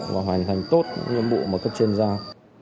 và hoàn thành tốt những nhiệm vụ mà cấp trên giao